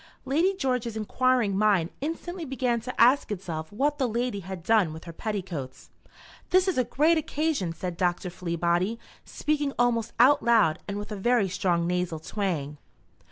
Lady George's enquiring mind instantly began to ask itself what the lady had done with her petticoats. "This is a great occasion," said Dr. Fleabody, speaking almost out loud, and with a very strong nasal twang.